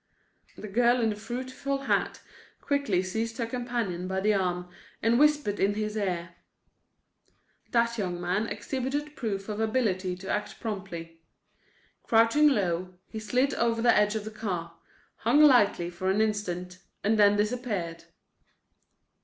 The girl in the fruitful hat quickly seized her companion by the arm and whispered in his ear. That young man exhibited proof of ability to act promptly. Crouching low, he slid over the edge of the car, hung lightly for an instant, and then disappeared.